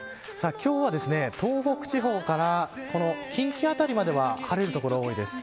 今日は東北地方から近畿辺りまでは晴れる所が多いです。